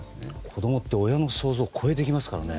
子供って親の想像を超えてきますからね。